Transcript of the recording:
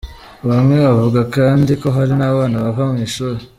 Bamwe bavuga kandi ko hari n’abana bava mu ishuri.